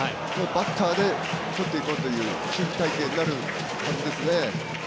バッターでいこうという守備隊形になる感じですね。